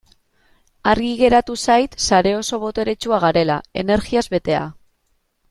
Argi geratu zait sare oso boteretsua garela, energiaz betea.